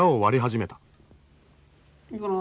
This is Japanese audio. いいかな？